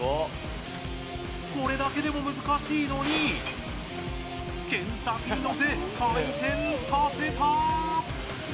これだけでも難しいのに剣先にのせ、回転させた！